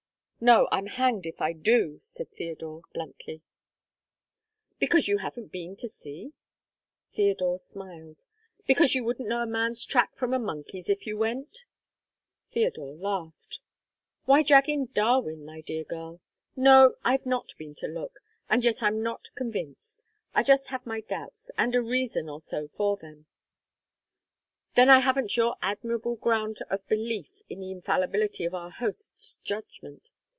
"No, I'm hanged if I do," said Theodore, bluntly. "Because you haven't been to see?" Theodore smiled. "Because you wouldn't know a man's track from a monkey's if you went?" Theodore laughed. "Why drag in Darwin, my dear girl? No, I've not been to look, and yet I'm not convinced. I just have my doubts, and a reason or so for them; then I haven't your admirable ground of belief in the infallibility of our host's judgment.